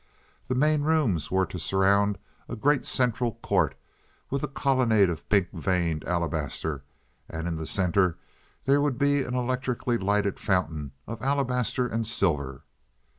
The main rooms were to surround a great central court with a colonnade of pink veined alabaster, and in the center there would be an electrically lighted fountain of alabaster and silver.